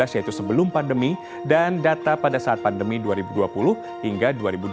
yaitu sebelum pandemi dan data pada saat pandemi dua ribu dua puluh hingga dua ribu dua puluh